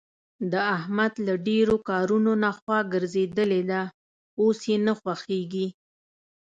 د احمد له ډېرو کارونو نه خوا ګرځېدلې ده. اوس یې نه خوښږېږي.